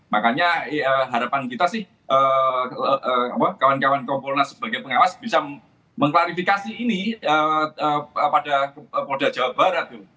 makanya harapan kita sih kawan kawan kompolnas sebagai pengawas bisa mengklarifikasi ini pada polda jawa barat